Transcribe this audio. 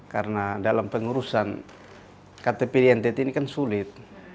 karena dalam pengurusan ktp di ntt ini kan sulit